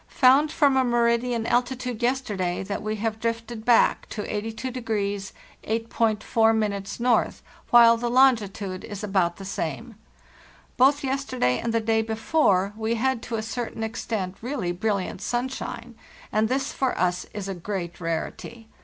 Found from a meridian altitude yesterday that we have drifted back to 82° 8.4' N., while the longitude is about the same. Both yesterday and the day before we had to a certain extent really brilliant sunshine, and this for us is a great rarity.